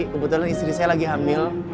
kebetulan istri saya lagi hamil